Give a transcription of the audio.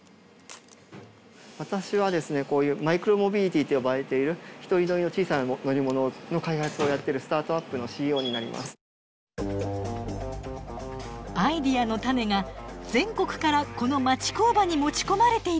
私はですねこういうマイクロモビリティと呼ばれている１人乗りの小さな乗り物の開発をやっているアイデアのタネが全国からこの町工場に持ち込まれていたのです。